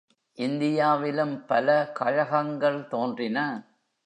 இந்தியாவிலும் பல கழகங்கள் தோன்றின.